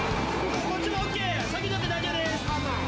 こっちもＯＫ、下げちゃって大丈夫です。